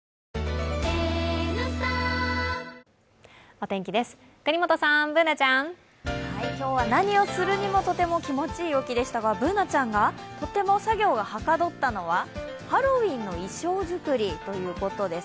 お天気です、國本さんＢｏｏｎａちゃん。今日は何をするにも、とても気持ちいい陽気でしたがＢｏｏｎａちゃんがとても作業がはかどったのはハロウィーンの衣装作りということです。